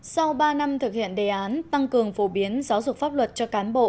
sau ba năm thực hiện đề án tăng cường phổ biến giáo dục pháp luật cho cán bộ